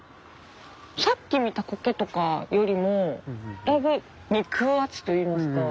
さっき見たコケとかよりもだいぶ肉厚といいますか。